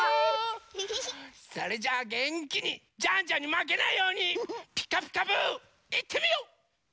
それじゃあげんきにジャンジャンにまけないように「ピカピカブ！」いってみよう！